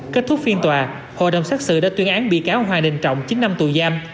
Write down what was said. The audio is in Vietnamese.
kết thúc phiên tòa hội đồng xét xử đã tuyên án bị cáo hoàng đình trọng chín năm tù giam